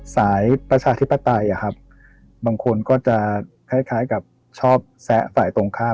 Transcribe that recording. ประชาธิปไตยบางคนก็จะคล้ายกับชอบแซะฝ่ายตรงข้าม